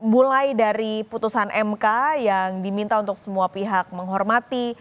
mulai dari putusan mk yang diminta untuk semua pihak menghormati